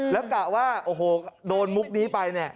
แล้วกะว่าโอ้โหโดนมุกนี้ไปเนี่ย